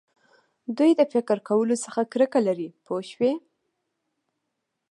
دوی د فکر کولو څخه کرکه لري پوه شوې!.